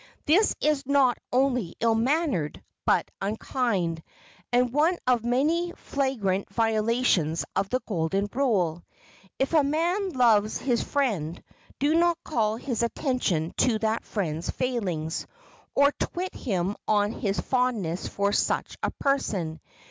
This is not only ill mannered, but unkind, and one of many flagrant violations of the Golden Rule. If a man loves his friend, do not call his attention to that friend's failings, nor twit him on his fondness for such a person.